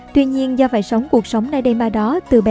tuy nhiên do vài sóng cuộc sống nay đây mà đó